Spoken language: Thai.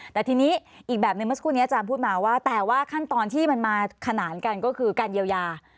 แต่ทีนี้อีกแบบหนึ่งเมื่อสักครู่นี้อาจารย์พูดมาว่าแต่ว่าขั้นตอนที่มันมาขนานกันก็คือการเยียวยา